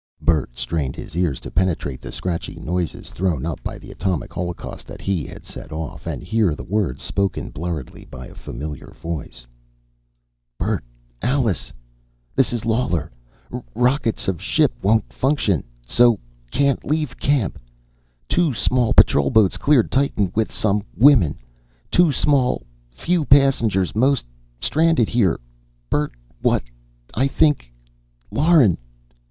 Bert strained his ears to penetrate the scratchy noises thrown up by the atomic holocaust that he had set off, and hear the words spoken blurredly by a familiar voice: "... Bert ... Alice.... This is Lawler.... Rockets of ship won't function.... So ... can't leave ... camp.... Two Space Patrol boats cleared Titan with some ... women.... Too small ... few passengers.... Most ... stranded here.... Bert what?... I think ... Lauren...."